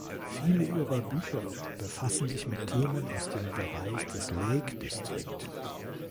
Viele ihrer Bücher befassen sich mit Themen aus dem Bereich des Lake District.